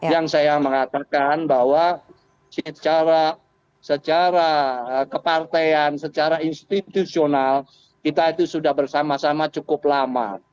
yang saya mengatakan bahwa secara kepartean secara institusional kita itu sudah bersama sama cukup lama